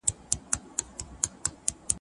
کله چې و نه رسم تا ته تر هغو یم روان